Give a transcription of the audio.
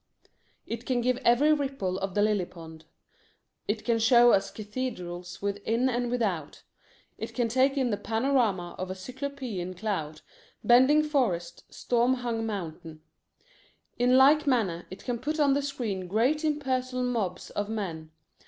It can give every ripple of the lily pond. It can show us cathedrals within and without. It can take in the panorama of cyclopæan cloud, bending forest, storm hung mountain. In like manner it can put on the screen great impersonal mobs of men.